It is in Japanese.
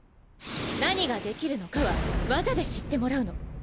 何ができるのかは技で知ってもらうの。